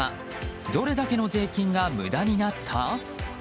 どれだけの税金が無駄になった？